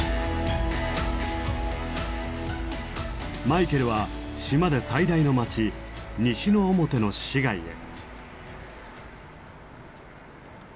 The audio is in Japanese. マイケルは島で最大の町西之表の市街へ。